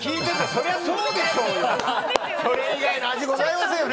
そりゃそうでしょうよ。